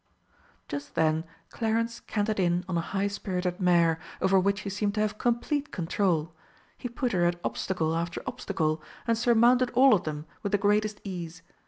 Just then Clarence cantered in on a high spirited mare, over which he seemed to have complete control. He put her at obstacle after obstacle, and surmounted all of them with the greatest ease.